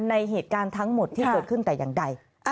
ในเหตุการณ์ทั้งหมดที่เกิดขึ้นแต่อย่างใด